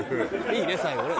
いいね最後ね。